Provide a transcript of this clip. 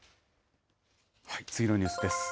次のニュースです。